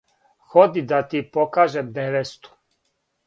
Ходи да ти покажем невесту